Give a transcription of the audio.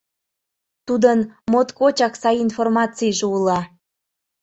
Тудын моткочак сай информацийже уло.